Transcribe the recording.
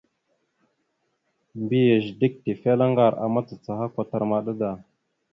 Mbiyez dik tefelaŋar a macacaha kwatar maɗa da.